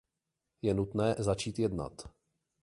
Je nutné začít jednat.